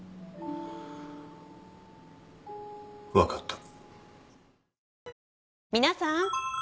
分かった。